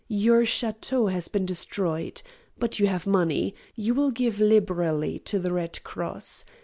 Your chateau has been destroyed. But you have money. You will give liberally to the Red Cross.